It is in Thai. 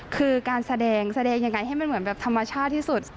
คือการแสดงแสดงยังไงให้มันเหมือนแบบธรรมชาติที่สุด